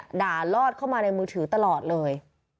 สามารถเข้าให้ดารรรนส์เข้ามาในมือถือตลอดเลย